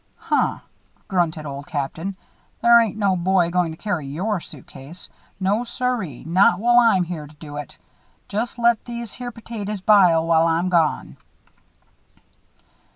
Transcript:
"Huh!" grunted Old Captain, "thar ain't no boy goin' to carry your suitcase. No, siree, not while I'm here to do it. Just let these here potatoes bile while I'm gone."